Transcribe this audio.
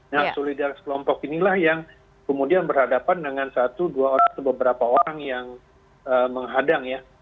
nah solidaritas kelompok inilah yang kemudian berhadapan dengan satu dua orang atau beberapa orang yang menghadang ya